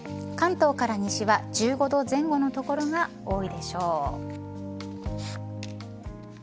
関東から西は１５度前後の所が多いでしょう。